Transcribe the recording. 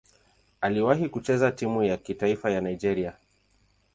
Aliwahi kucheza timu ya taifa ya Nigeria.